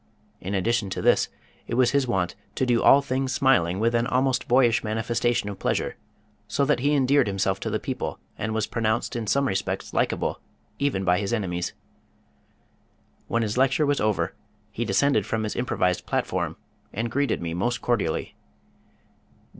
In addition to this it was his wont to do all things smiling with an almost boyish manifestation of pleasure, so that he endeared himself to the people and was pronounced in some respects likeable even by his enemies. When his lecture was over he descended from his improvised platform and greeted me most cordially.